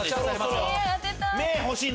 当てたい！